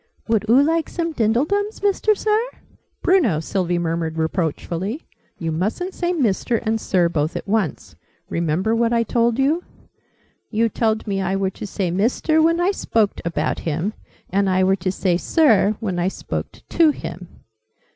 Would oo like some dindledums, Mister Sir?" "Bruno!" Sylvie murmured reproachfully. "You mustn't say 'Mister' and 'Sir,' both at once! Remember what I told you!" "You telled me I were to say Mister' when I spoked about him, and I were to say 'Sir' when I spoked to him!"